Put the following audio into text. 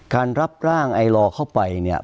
รับร่างไอลอเข้าไปเนี่ย